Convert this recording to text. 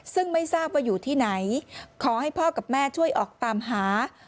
ซึ่งไม่ทราบว่าอยู่ที่ไหนขอให้พ่อกับแม่ช่วยออกตามหา